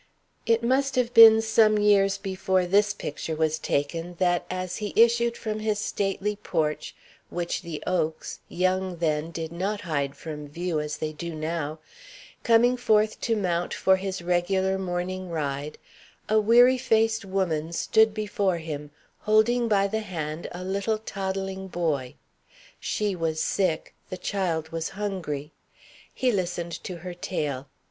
It must have been some years before this picture was taken, that, as he issued from his stately porch, which the oaks, young then, did not hide from view as they do now, coming forth to mount for his regular morning ride, a weary faced woman stood before him, holding by the hand a little toddling boy. She was sick; the child was hungry. He listened to her tale.